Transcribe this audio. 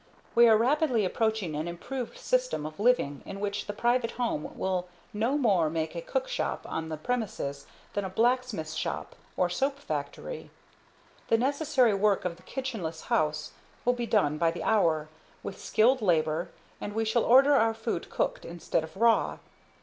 We are rapidly approaching an improved system of living in which the private home will no more want a cookshop on the premises than a blacksmith's shop or soap factory. The necessary work of the kitchenless house will be done by the hour, with skilled labor; and we shall order our food cooked instead of raw.